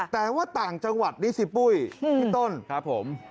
แต่ว่าต่างจังหวัดนี้สิปุ้ยพี่ต้น